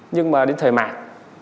nhưng mà đến thời mạc